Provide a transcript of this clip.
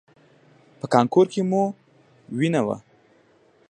په کانګو کې مو وینه وه؟